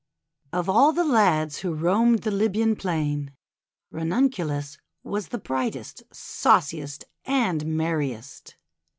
Of all the lads who roamed the Libyan plain, Ranunculus was the brightest, sauciest, and merriest.